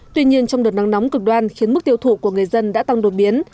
tuy nhiên trong đợt nắng nóng cực đoan khiến mức tiêu thụ của người dân đã tăng đột biến